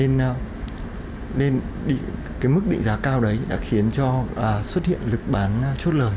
nên cái mức định giá cao đấy đã khiến cho xuất hiện lực bán chốt lợi